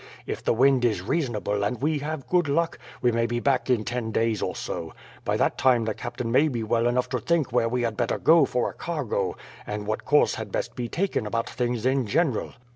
If the wind is reasonable, and we have good luck, we may be back in ten days or so. By that time the captain may be well enough to think where we had better go for a cargo, and what course had best be taken about things in general."